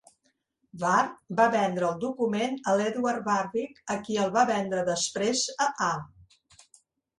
Ward va vendre el document a l"Edward Warwick qui el va vendre després a A.